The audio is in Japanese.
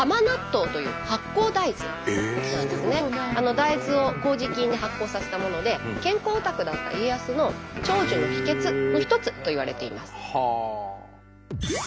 大豆をこうじ菌で発酵させたもので健康オタクだった家康の長寿の秘けつの一つといわれています。